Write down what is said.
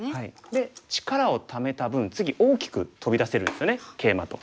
で力をためた分次大きく飛び出せるんですよねケイマと。